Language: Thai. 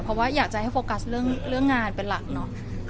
เพราะว่าอยากจะให้โฟกัสเรื่องงานเป็นหลักเนาะ